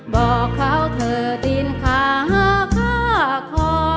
บอกเขาเธอดินข้าข้าขอ